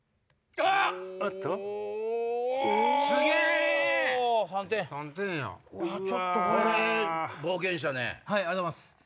ありがとうございます。